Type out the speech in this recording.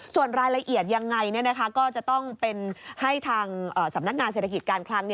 ส่วนรายละเอียดยังไงก็จะต้องเป็นให้ทางสำนักงานเศรษฐกิจการคลัง